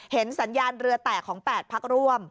สัญญาณเรือแตกของ๘พักร่วม